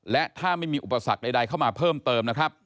และถ้าไม่มีอุปสรรคใดเข้ามาเพิ่มเติมนะครับ